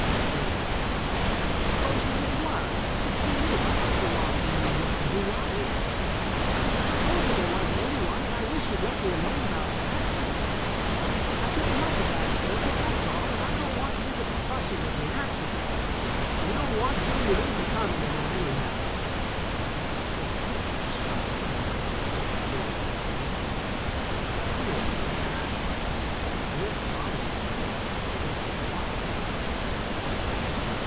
Shirley flared on the instant. "Supposing it was? What's it to you? I don't belong to you yet, do I ? I told you there wasn't any one, and I wish you'd let me alone about that. I couldn't help it last Thursday — that's all — and I don't want you to be fussing with me — that's all. If you don't want to, you needn't come any more, anyhow." "Don't say that, Shirley," pleaded Barton. "You don't mean that. I won't bother you, though, if you don't want me any more."